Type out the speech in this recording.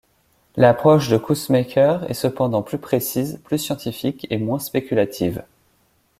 L'approche de Coussemaker est cependant plus précise, plus scientifique et moins spéculative.